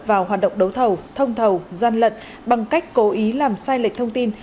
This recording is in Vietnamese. vào hoạt động đấu thầu thông thầu gian lận bằng cách cố ý làm sai lệch thông tin